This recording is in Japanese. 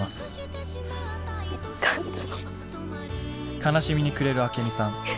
悲しみに暮れるアケミさん。